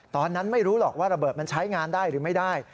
ตอนนั้นไม่รู้หรอกว่าระเบิดมันใช้งานได้หรือไม่ได้